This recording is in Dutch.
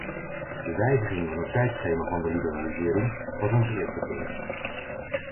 De wijziging van het tijdschema van de liberalisering was ons eerste punt.